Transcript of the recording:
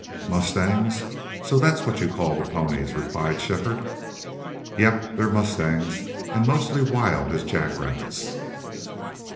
"Mustangs. So that's what you call the ponies?" replied Shefford. "Yep. They're mustangs, and mostly wild as jack rabbits."